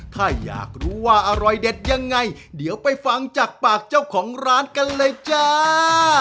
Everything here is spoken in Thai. ถ้าอยากรู้ว่าอร่อยเด็ดยังไงเดี๋ยวไปฟังจากปากเจ้าของร้านกันเลยจ้า